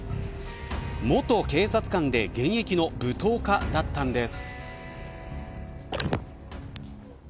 元警察官で現役の武闘家だったんです。